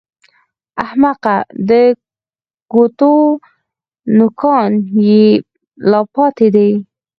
احمقه! د ګوتو نوکان يې لا پاتې دي!